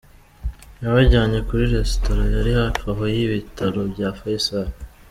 Yabajyanye kuri resitora yari hafi aho y’Ibitaro bya Faisal.